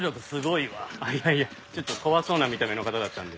いやいやちょっと怖そうな見た目の方だったんで。